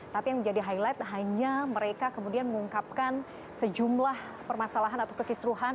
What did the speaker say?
tapi yang menjadi highlight hanya mereka kemudian mengungkapkan sejumlah permasalahan atau kekisruhan